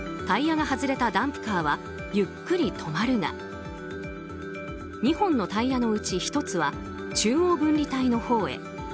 タイヤが外れたダンプカーはゆっくり止まるが２本のタイヤのうち１つは中央分離帯のほうへ。